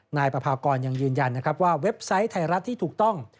นายปภาวกรยังยืนยันว่าเว็บไซต์ไทยรัฐที่ถูกต้อง